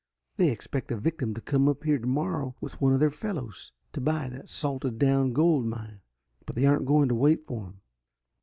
They expect a victim to come up here tomorrow with one of their fellows, to buy that salted down gold mine, but they aren't going to wait for him.